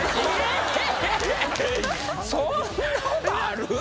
そんなことある？